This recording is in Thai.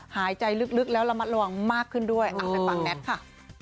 หายใจลึกแล้วระมัดระวังมากขึ้นด้วยไปฟังแน็ตค่ะ